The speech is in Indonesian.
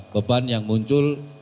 beban yang muncul